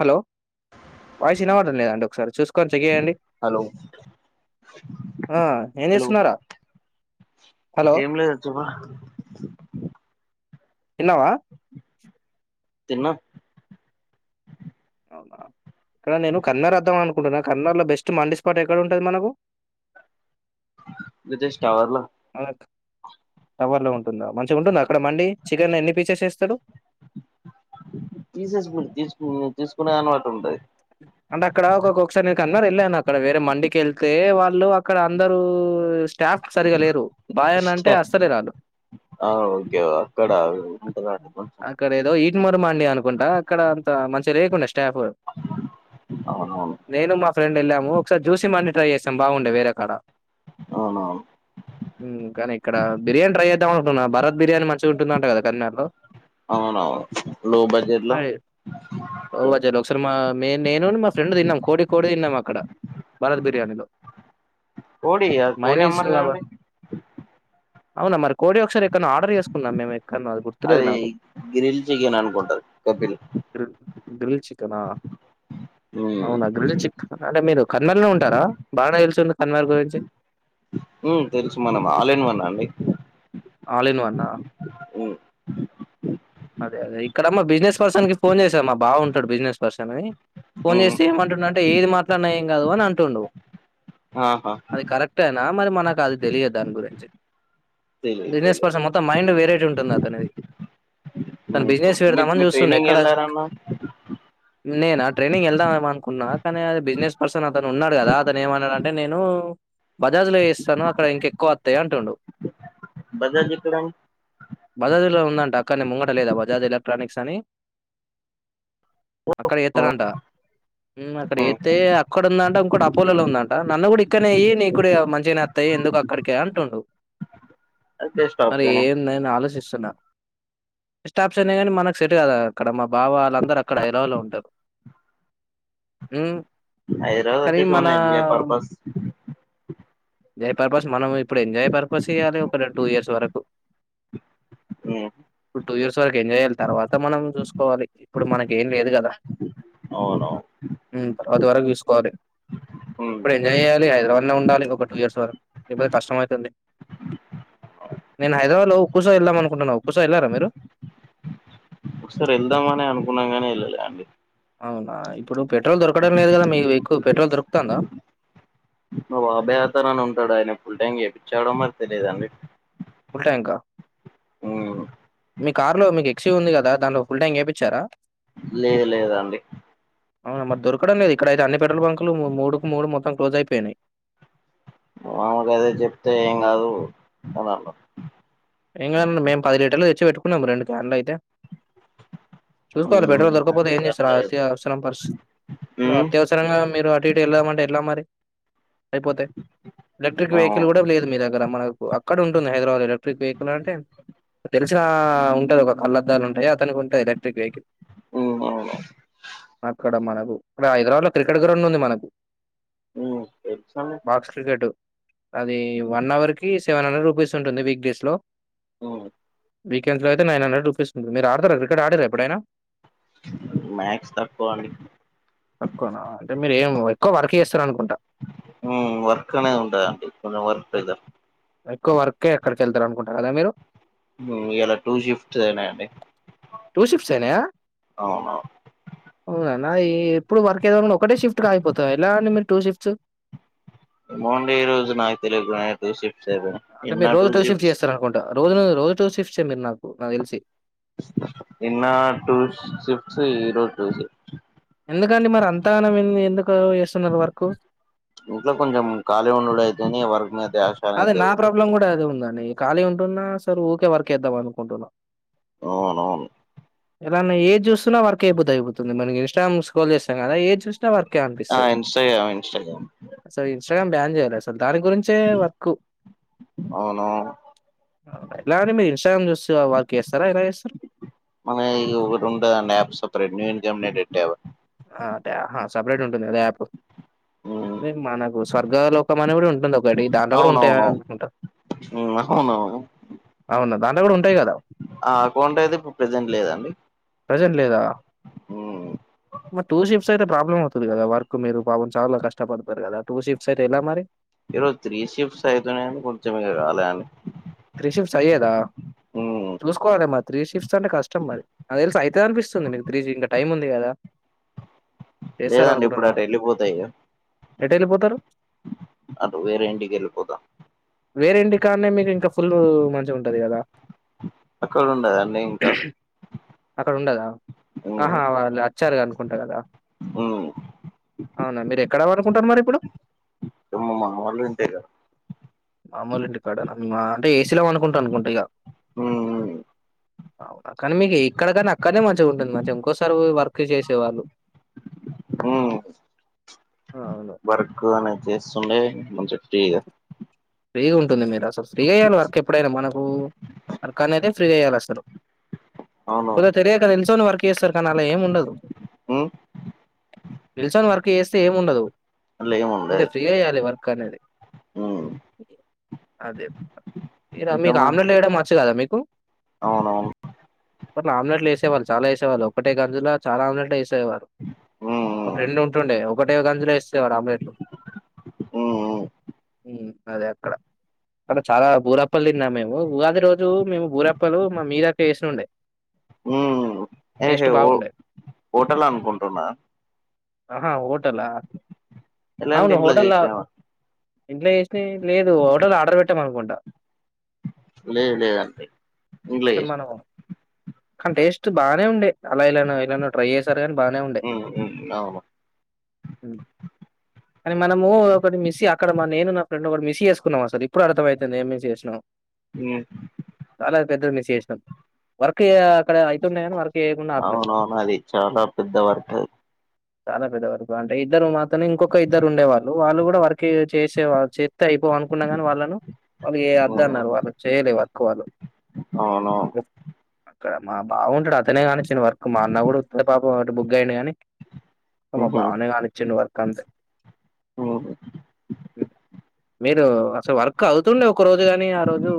Hello voice ఇనవడ్ లే అండీ ఒకసారి చూసుకొని చెయ్యండి హలో ఆ ఏం హలో చేసుకున్నారా హలో ఏం లేదు చెప్పు తిన్నావా తిన్నాం అవునా ఇక్కడ నేను కల్లర్ద్దాం అను కన్నర్లా లో బెస్ట్ మండి స్పాట్ ఎక్కడ ఉంటది మనకు జేష్ టవర్లో టవర్లో ఉంటుందా మంచిగుంటుందా అక్కడ మండి చికెన్ ఎన్ని పీసెస్ ఏస్తరు తీసేసుకు తీసుకు తీసుకునే దాన్ని వట్టి ఉంటది అంటే అక్కడ ఒక ఒకసారి కన్నారు వెళ్ళాను అక్కడ వేరే మండికి వెళ్తే వాళ్ళు అక్కడ అందరూ స్టాఫ్ సరిగా లేరు బాయ్ అని అంటే అస్సలే రారు ఆ ఓకే అక్కడ ఉంటదట కొంచెం అక్కడ ఏదో ఇ చిమ్మర మాండి అనుకుంటా అక్కడ అంత మంచి రేకుండ టాపు అవునవును నేను మా ఫ్రెండ్ వెళ్ళాము ఒకసారి చూసి మండి ట్రై చేసాం బాగుండే వేరే కాడ అవునవును ఉమ్ కానీ ఇక్కడ బిర్యానీ ట్రై చేద్దాము అనుకున్న భారత్ బిర్యానీ మంచిగా ఉంటుందంట కదా కర్నాలో అవునవును లో బడ్జెట్ లో అచ్చ ఒకసారి మా మెయిన్ నేను మా ఫ్రెండ్ తిన్నాం కోడి కోడి తిన్నాము అక్కడ భారత్ బిర్యానీలో కోడి కోడి మెయినిస్ అమ్మరు బాబా కదండి అవునా మరి కోడి ఒక్కసారి ఎక్కడనో ఆర్డర్ చేసుకున్నాం మేమైతే అది గ్రిల్ చికెన్ అనుకుంటా కపిల్ గ్రిల్ గ్రిల్ చికెనా మ్మ్ అవునా గ్రిలి చిక్ అంటే మీరు కర్ణల్నే ఉంటారా బాగానే నిల్చంది కన్మల్ గురించి ఉమ్ తెలుసు మనమ్ ఆల్ ఇన్ వన్ అన్ని ఆల్ ఇన్ వన్ ఆ అదే అదే ఇక్కడమ్మా బిజినెస్ పర్సన్ కి ఫోన్ చేసామ్మా బాగుంటాడు బిజినెస్ పర్సన్ అని ఫోన్ మ్మ్ చేసి ఏమంటుండు అంటే ఏది మాట్లాడిన ఏం కాదు అని అంటుండు ఆహా అది కరెక్ట్ ఏనా మరి మనకు అది తెలియదు దాని గురించి తెలీదు బిజినెస్ తెలీదు పర్సన్ మొత్తం మైండ్ వెరైటీ ఉంటుంది అతనిది తను బిజినెస్ మీ పెడదామని మీరు చూస్తుండే ట్రైనింగ్ ఎక్కడ వెళ్ళారన్న నేనా ట్రైనింగ్ వెళ్దామ ఏమ అనుకున్నా కానీ అ బిజినెస్ పర్సన్ అతను ఉన్నాడు కదా అతను ఏమన్నాడంటే నేను ఓ బజాజ్ లో వయిస్తాను అక్కడ ఇంకెక్కువ వస్తాయి అంటుండు బజాజ్ ఎక్కడండి బదాదీలో ఉందంట అక్క న ముంగట లేదా బజాజ్ ఎలక్ట్రానిక్స్ అని అక్కడ ఏత్తారంట అక్కడ ఎత్తే అక్కడ ఉందంట ఇంకో అపోలోలో ఉందంట నన్ను కూడా ఇక్కనే వెయి నీ కూడ మంచినే అత్తయి ఎందుకు అక్కడికే అంటుండు అది బెస్ట్ అరే ఆప్షన్ ఏ ఏం నేను ఆలోచిస్తా సచన్నా బెస్ట్ ఆప్షన్ కానీ మనకు సెట్ కదా అక్కడ మా బావ వాళ్ళందరూ అక్కడ ఐలలో ఉంటారు హైదరాబాద్ కానీ వచ్చేసి మన only enjoy purpose enjoy purpose మనం ఇప్పుడు ఎంజాయ్ పర్పస్ ఇయ్యాలి ఒక రెండు టూ ఇయర్స్ వరకు ఉమ్ ఇప్పుడు టూ ఇయర్స్ వరకు ఎంజాయ్ చేయాలి తర్వాత మనం చూసుకోవాలి ఇప్పుడు మనకి ఏం లేదు కదా అవునవును తర్వాత వరకు చూసుకోవాలి ఉమ్ ఇప్పుడు ఎంజాయ్ చెయాలి హైదరాబాద్ లో ఉండాలి ఒక టూ ఇయర్స్ వరకుతే కష్టం అవుతుంది నేను హైదరాబాద్ లో కుష ఎలా మన మోనా ఉపాస వెల్లారా మిరు బ్రో ఒకసారి వెళ్దామ అని అనుకున్నాం నే వెళ్ళాల అండి అవునా ఇప్పుడు పెట్రోల్ దొరకడం లేదు కదా మీ ఎక్కువ పెట్రోల్ దొరుకుతుందా మా చౌడమరి తెలిదా మీక్ ఫుల్ టాంకా మీ కార్ లో మీకు షు ఉంది కదా దాంట్లొ ఫుల్ టాంక్ చేప్పిచారా లేదు లేద అండి ఇక్కడయితే అన్ని పెట్రోల్ బంకులు మూడుకు మూడు మొత్తం క్లోజ్ అయిపోయినయి మామూలుగ అదే చెప్తే ఏం కాదు అని అన్నా న్నాం రండు కార్లో అయితే చూసుకోవాలి పెట్రోల్ ఉమ్ మరి దొరకపోతే ఏం చేత చేస్తారు అట్లా అతి చెప్- అవసరం పర్స్ ఇప్పుడు ఉమ్ అత్యవసరంగా మీరు అటు ఇటు వెళ్దామంటే ఎట్ల మరి అయిపోతయి ఎలక్ట్రిక్ అవును వెహికల్ కూడా లేదు మీ దగ్గర మన అక్కడ ఉంటుంది హైద్రాబాద్ ఎలక్ట్రిక్ వెహికల్ అంటే తెలిసినా ఉంటుది ఒక కళ్ళద్దాలు ఉంటాయి అతనికి ఉంటది ఎలక్ట్రిక్ వెహికల్ ఉమ్ అవును ఆక్కడ మన ఇక్కడ హైద్రవాద్ లో క్రికెట్ గ్రౌండ్ ఉంది మనకి ఉమ్ తెలుసండి బాక్స్ క్రికెటు అది ఉమ్ వన్ అవర్ కి సెవెన్ హండ్రెడ్ రూపీస్ ఉంటుంది వీక్ డేస్ హలో మ్ వీకెండ్స్ లో అయితే నైన్ హండ్రెడ్ చూపిస్తుంది మీరు ఆడుతారా క్రికెట్ అడిర్రా ఎప్పుడైనా మ్యాక్స్ తక్కువ అండి తక్కువనా అంటే మీరు ఏం ఎక్కువ వర్క్ చేస్తారు అనుకుంటా మ్ వర్క్ అనేది ఉంటదండి కొం వర్క్ క్ వర్కే అక్కడ యెళ్తరనుకుంట గదా మీరు. ఉమ్ ఇయాల టూ షిఫ్ట్స్ అయ్నయండి టూ షిఫ్ట్స్ ఏనా ఔనవ్న్. నా ఏ ఎప్పుడు వర్క్ ఏదన్న ఒకటే షిఫ్ట్ కాగిపోతదా అన్న ఎనా అన్న మీది టూ షిఫ్ట్స్. మార్నింగ్ ఈ రోజు నాక్ తెలీదు నాకు టూ షిఫ్ట్. అంటే మీరు రోజు టూ షిఫ్ట్స్ చేస్తారనుకుంటా రోజు రోజు టూ షిఫ్ట్స్ ఎ మీరు నాకు తెలిసి నిన్న టూ షిఫ్ట్స్ ఈరోజు టూ షిఫ్ట్స్ ఎందుకండి మరి అంత గణం ఎందుకు చేస్తున్నారు వర్కు? ఇంట్లో కొంచెం ఖాళీ ఉండడు అయి తుందని వర్క్ ధ్యాస అనేది అదే నా పెరుగుతుంది ప్రాబ్లం కూడా అదే ఉందండి ఖాళీ ఉంటున్నా సరె ఊకే వర్కేద్దాం అనుకుంటున్నా అవును అవును ఎలాన్న ఏది చూస్తున్నా వర్క్ చేయబుద్దుయుతుంది మన ఇన్స్టాగ్రామ్ స్క్రోల్ చేస్తాం గా ఏది చూశ్న వర్క్ వర్క్ ఎ ఆ అనిపిస్తుంది ఇన్స్టాగ్రామ్ ఇన్స్టాగ్రామ్ అసలు ఇన్స్టాగ్రామ్ బ్యాన్ చేయాలి అస్ దాని గురించే వ ఖు అవును ఎలా అండి మీరు ఇన్స్టాగ్రామ్ జూస్సూ వర్క్ జేస్తరా ఎలా జేస్తరు. మన జెమ్ నీ డెట్ యావో ఆ అదే హ సప్రేటుంటుంది అదే యాప్. ఉమ్ మీమ్ మనకు స్వర్గాలోకమని గూడుంటుందొకటి దాంట్లో గూడుంటయా అవునవును అన్ కుంట ఉమ్ అవునవును ఔను దాంట్లో గూడుంటాయ్ గద. ఆ అకౌంట్ అయితే ఇప్పుడు ప్రెజెంట్ లేదండి ప్రెజెంట్ లేదా ఉమ్ మర్ టూ షిఫ్ స్ ఐతే ప్రాబ్లమవ్తది కదా వర్క్ మీరు పాపం చాల కష్టపడ్తరు కదా టూ షిఫ్ట్సైతే ఎలా మరి. ఈరోజు త్రీ షిఫ్ట్స్ అయ్నాగాని కొంచెం ఇగ రాలే అన్ త్రీ షిఫ్ట్స్ అయ్యేదా ఉమ్ చూసుకోవాల్ గా మర్. త్రీ షిఫ్ సంటె కష్టం మరి నాక్ దెల్సి ఐతాదనిపిస్తుంది నీక్ త్రీజింగ టైముంది గదా లేదండి ఇప్పుడటెళ్ళిపోతా ఇగ. ఎటెళ్ళిపోతారు. అదు వేరే ఇంటికెళ్ళిపోతా వేరేంటికాన్నే మీరింక ఫ్ పుల్లు మంచిగుంటది కదా అక్కడుండదండి ఇంక. అక్కడుండదా అహా వాల్యా చర్గ అనుకుంట గదా ఉమ్ ఔన మీరెక్కడ వనుకుంటర్ మరిప్పుడు. వాళ్ళు ఇంతేగా మామోలు ఇంటి కాడ అంటే ఏసీలో పడుకుంటా అనుకుంటా ఇక ఉమ్ ఉమ్ అవునా కానీ మీకు ఇక్కడ కానీ అక్కడనే మంచిగా ఉంటుంది మంచిగా ఇంకోసారి వర్క్ చేసేవాళ్ళు హ్మ్ ఆ అవును వర్క్ అనేది చేస్తుండే మంచి దీగ ఫ్రీగుంటుంది మీర్ అసలు ఫ్రీగెయ్యాలి వర్క్ ఎప్పుడైన మనకు వర్కనేదే. ఫ్రీ జెయ్యాలసలు అవును కొద తెరియక దెల్చోని వర్క్ జేస్తరు కానలా ఏముండదు ఉమ్ నిల్సోన్ వర్క్ జేస్. తేముండదు అట్లా ఏమి అంటె ఉండదు ఫ్రీగ జెయ్యాలె వర్క్ కనేది ఉమ్ అదే మీరమి ఇంకా మరి రామెల్లెయ్యడం ఒచ్చు గదా మీక్. అవునవును పట్ ఆమ్లెట్లు వేసేవాళ్ళు చాలా వేసేవాళ్ళు ఒకటే గంజులో చాలా ఆమ్లెట్ ఉమ్ ఒక ఉమ్ ఫ్రెండ్ ఉంటుండే ఒకటే గంజులో వేసేసేవారు ఆమ్లెట్లు ఉమ్ ఉమ్ హ్మ్ అదే అక్కడ అక్కడ చాలా బూరప్పలు తిన్నా మేము ఉగాది రోజు మేము బూరప్పలు మా మీదకి వేసినుండే హ్మ్ హే హే బాగుండే. హోటల్ అనుకుంటున్నా అహా ఓ హోటలా లేదంటే అవును ఇంట్లో హోటల్ చేసినావా ఇంట్లో చేసినయ్ లేదు హటోల్ లో ఆర్డర్ పెట్టామ అనుకుంటా లేవ్ లేవ్ అండి పూజ అసలు చేసినాం మనము కానీ టేస్ట్ బానే ఉండే అలా ఇలా ఇలానో ట్రై చేసా కానీ బానే ఉండే ఉమ్ ఉమ్ అవును కానీ మనము ఒకటి మిస్ సి అక్కడ మా నేను నా ఫ్రెండ్ కూడా మిస్ చేసుకున్నాం అసలు ఇప్పుడు అర్ధంమవుతుంది ఏం మస్ చేసుకున్నామో ఉమ్ చాలా పెద్దది మిస్ చేసినాం వర్క్ క్యాక్ అవును అవును అది చాలా పెద్ద వర్క్ అది. చాలా పెద్ద వరకు అంటే ఇద్దరు మాతోనే ఇంకొక ఇద్దరు ఉండే వాళ్ళు వాళ్ళు కూడా వర్క్. కే చేసేవారు చే. అయిపోవనుకున్నా కానీ వాళ్ళను వాళ్ళు వద్దు ఉమ్ అన్నారు వాళ్ళు చేయలే వర్క్ వాళ్ళు. అవును ఇక్కడ మా బావుంటాడు అతనే కాని. ఇచ్చిన వర్క్ మా అన్న కూడా పాపం. బుగ్ అయిండు గానీ. మా ఉహు బావనే కానిచిండు వర్క్ అంతే. ఉమ్ మీరు అసలు వర్క్ అవుతుండే ఒ. ఒక్క రోజు కాగాని ఆ రోజు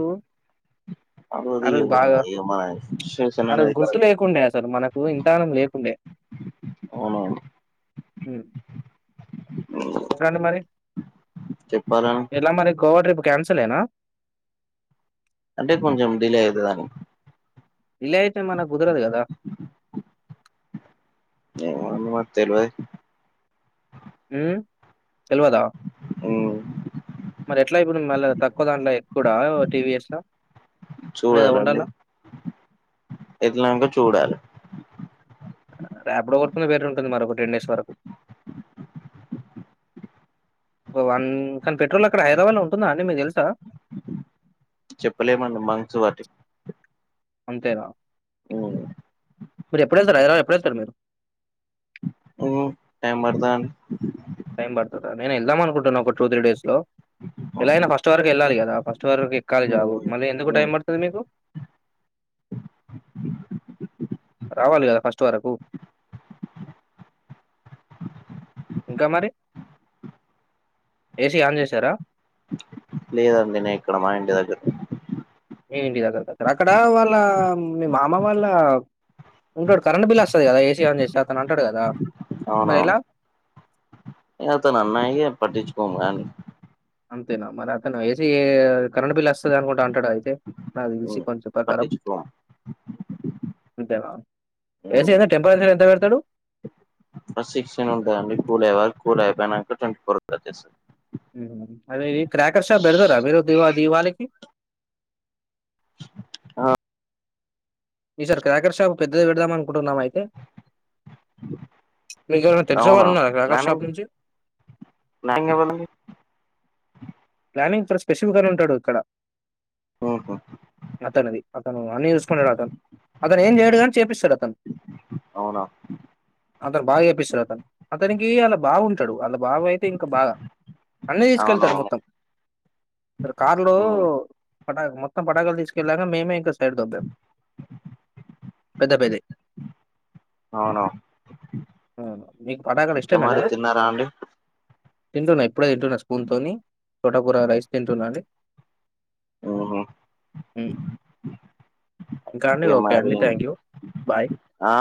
ఆ అది రోజు ఇగ బాగా మన సిచువేషన్ ఆ రోజు అనేది గుర్తు కరెక్ట్ లేకుండే అసలు మనకు ఇంతానం లేకుండే అవునవును ఏంటండి మరి. చెప్పాలా. ఎలా మరి గోవా ట్రిప్ క్యాన్సలే నా. అంటే కొంచం డీలే అయితది అని. డీలే అయితే మనకు కుదర్దు కదా. ఏమో అన్న తెల్వదు. హ్మ్ తెలివదా మ్మ్ మరి ఎట్లా ఇప్పుడు మళ్ళ తక్కువ దాంట్లో ఎక్కుడా టీవీఎస్ లా లేదా చూడాలండి హోండాలా. ఎల్లినంక చూడాలి బెటర్ ఉంటుంది మరి ఒక టెన్ డేస్ వరకు ఓ వన్ కానీ పెట్రోల్ అక్కడ హైదరాబాద్ లో ఉంటుందా అండి మీకు తెలుసా. చెప్పలేమండి మంత్స్ వట్టి అంతేనా. మీరు ఎప్పుడు వెళ్తారు హైదరాబాద్ ఎప్పుడు వెళ్తారు మీరు. హ్మ్ టైం పడుతాంది టైం పడుతదా నేను వెళ్దాం అనుకుంటున్నా ఒక టూ త్రీ డేస్ లో. ఎలా అయినా ఫస్ట్ వరకు వెళ్ళాలి ఇగ. దా ఫస్ట్ ఫస్ట్ వరకు ఎక్కాలి జాబు మ్మ్ మళ్ళీ ఎందుకు మ్మ్ టైం పడుతాది మీకు. కావాలి కదా ఫస్ట్ వరకు. ఇంకా మరి ఏసీ ఆన్ చేసార్ లేదు అండి నే ఇక్కడ మా ఇంటి దగ్గర. మీ ఇంటి దగ్గర కదా అక్కడ వాళ్ళ మీ మామ వాళ్ళ ఉంటడు కరెంట్ బిల్ వస్తుంది కదా ఏసీ ఆన్ చేస్తారు. తను అంటాడు కదా మరి ఎలా. నేనతను అన్నయి ఇగ పట్టిించుకోము గాని అంతేనా మరి అతను ఏసికి కరెంట్ బిల్ వత్తాది అని కూడా. అంటాడా అయితే దాని చూసి మ్మ్ కొంచం ప్రకారం పట్టించుకోము అంతేనా ఏసి మ్మ్ టెంపరేచర్ ఎంత. చూస్తాడు. ఫస్ట్ సెక్షన్ ఉంటాది అండి కూల్ అయ్యేవరకు కూల్ అయిపోయినంక ట్వంటీ ఫోర్ వచ్చేస్తది అదే క్రాకర్ షాప్ పెడతారా మీరు ది దివాళికి ఆ ఈ సార్ క్రాకర్ షాప్ పెద్దది పెడదామన్ ఇప్పుడున్నావ అయితే మీకు ఎవరైనా తెలిసిన అవునా వాళ్ళు ఉన్నార క్రాకర్ ప్లానింగ్ షాప్ నుంచి ప్లానింగ్ ఎవరిదండి ప్లానింగ్ ఇ స్పెసిఫక్ గానే ఉంటడు ఇక్కడ మ్మ్ హు అతనుది అతను అన్ని చూసుకున్నాడు. అతను అతను ఏం చేయడు కాని చేపిస్తాడు. అతను అవునా అతను బాగా చేపిస్తాడు అతను అతనికి అలా బాగుంటాడు అ బావ అయితే ఇంకా బాగా అన్నీ తీసుకెళ్తారు అవునవును మొత్తం కార్లో మ్మ్ పటాకా మొత్తం పటకాలు తీసుకెళ్లాక మేమే ఇంకా ఏడు దబ్బ పెద్ద పెది అవునా అవును మీకు పాటకలు ఇక ఇష్టమేనా మరి తిన్నారా అండి తింటున్నా ఇప్పుడే తింటున్నా స్పూన్తోని తోటకూర రైస్ తింటున్నాండి మ్మ్ హు ఇం ఇంకా అండి ఓకే అండి థ్యాంక్ యూ బాయ్ ఆ